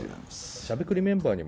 しゃべくりメンバーに。